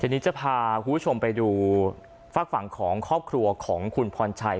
ทีนี้จะพาคุณผู้ชมไปดูฝากฝั่งของครอบครัวของคุณพรชัย